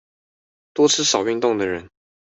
多吃少運動的人